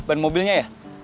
ini ban mobilnya ya